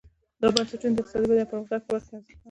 دا بنسټونه د اقتصادي ودې او پرمختګ په برخه کې ارزښتناک وو.